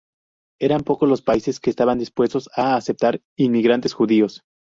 Eran pocos los países que estaban dispuestos a aceptar inmigrantes judíos.